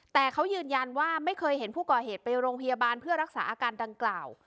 แต่เขายืนยันว่าไม่เคยเห็นผู้ก่อเหตุไปโรงพยาบาลเพื่อรักษาอาการดังกล่าว